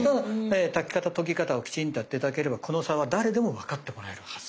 炊き方とぎ方をきちんとやって頂ければこの差は誰でもわかってもらえるはず。